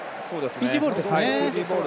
フィジーボールですね。